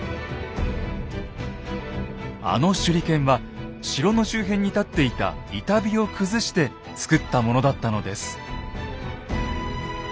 あの手裏剣は城の周辺に立っていた板碑を崩して作ったものだったのです。